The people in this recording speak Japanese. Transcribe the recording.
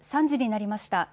３時になりました。